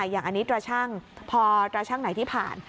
อย่างอันนี้ตราชั่งพอตราชั่งไหนที่ผ่าน